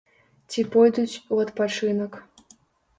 Ці пойдуць у адпачынак.